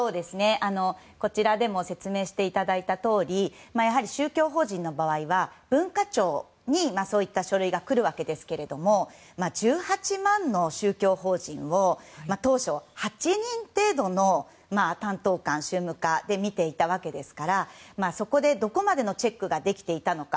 こちらでも説明していただいたとおり宗教法人の場合は文化庁にそういった書類が来るわけですけども１８万の宗教法人を当初、８人程度の担当官宗務課で見ていたわけですからそこでどこまでのチェックができていたのか。